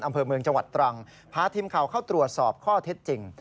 อำเภอเมืองจังหวัดตรังพาทีมข่าวเข้าตรวจสอบข้อเท็จจริง